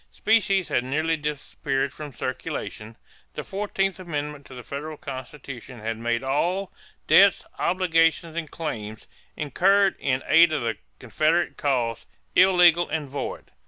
Specie had nearly disappeared from circulation. The fourteenth amendment to the federal Constitution had made all "debts, obligations, and claims" incurred in aid of the Confederate cause "illegal and void."